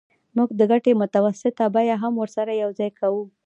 موږ د ګټې متوسطه بیه هم ورسره یوځای کوو